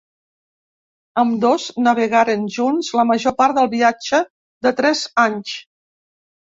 Ambdós navegaren junts la major part del viatge de tres anys.